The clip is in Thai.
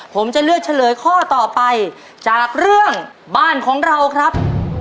ผมจะเลือกเฉลยข้อต่อไปจากเรื่องบ้านของเราครับ